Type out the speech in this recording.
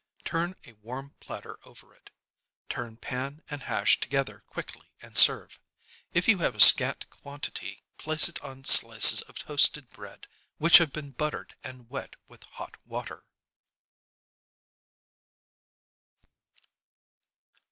Turn a warm platter over it. Turn pan and hash together quickly and serve. If you have a scant quantity, place it on slices of toasted bread, which have been buttered and wet with hot water.